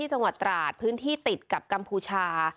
จังหวัดตราดพื้นที่ติดกับกัมพูชา